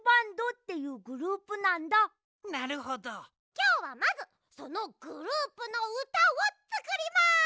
きょうはまずそのグループのうたをつくります！